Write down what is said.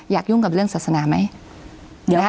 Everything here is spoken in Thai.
ยุ่งกับเรื่องศาสนาไหม